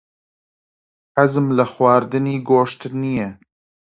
حەزم لە خواردنی گۆشت نییە.